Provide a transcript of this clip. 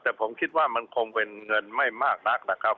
แต่ผมคิดว่ามันคงเป็นเงินไม่มากนักนะครับ